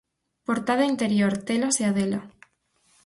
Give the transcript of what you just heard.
Portada e interior, Telas e Adela.